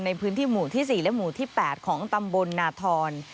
ในพื้นที่หมู่ที่๔และหมู่ที่๘ของตำบลนาธร